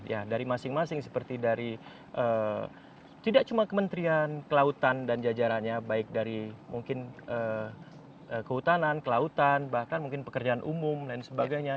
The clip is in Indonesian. ya dari masing masing seperti dari tidak cuma kementerian kelautan dan jajarannya baik dari mungkin kehutanan kelautan bahkan mungkin pekerjaan umum dan sebagainya